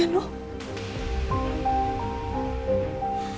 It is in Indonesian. apa andin udah ketemu sama anaknya no